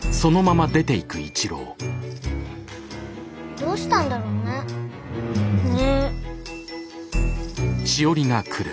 どうしたんだろうね？ね。